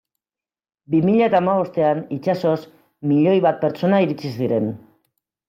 Bi mila eta hamabostean itsasoz milioi bat pertsona iritsi ziren.